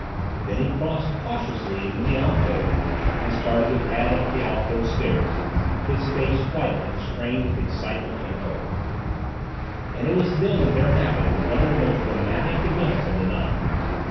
Then he crossed cautiously into the alcove and started to pad up the alcove stairs, his face white and strained with excitement and hope. And it was then that there happened one of the most dramatic events of the night.